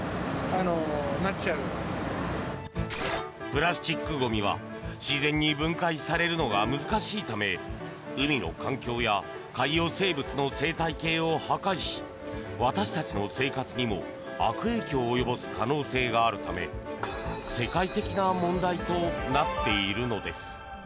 プラスチックゴミは自然に分解されるのが難しいため海の環境や海洋生物の生態系を破壊し私たちの生活にも悪影響を及ぼす可能性があるため世界的な問題となっているのです。